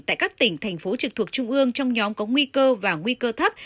tại các tỉnh thành phố trực thuộc trung ương trong nhóm có nguy cơ và nguy cơ thấp